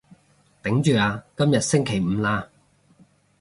頂住啊，今日星期五喇